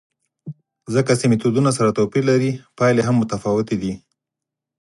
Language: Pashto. ځکه چې میتودونه سره توپیر لري، پایلې هم متفاوتې دي.